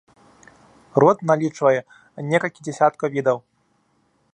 Род налічвае некалькі дзесяткаў відаў.